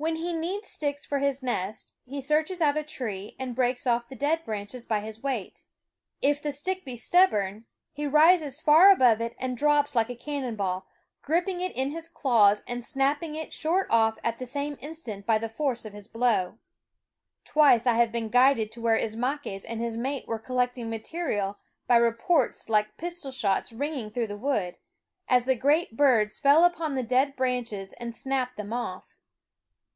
When he needs sticks for his nest, he searches out a tree and breaks off the dead branches by his weight. If the stick be stub born, he rises far above it and drops like a cannon ball, gripping it in his claws and snapping it short off at the same instant by the force of his blow. Twice I have been guided to where Ismaques and his mate were collecting material by reports like pistol shots ringing through the wood, as the great birds fell upon the dead branches and snapped them off.